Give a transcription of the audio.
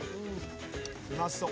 うまそう。